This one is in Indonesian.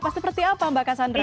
seperti apa mbak cassandra